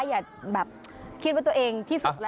อย่าแบบคิดว่าตัวเองที่สุดแล้ว